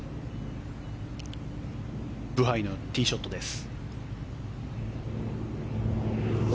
ブハイのティーショットです。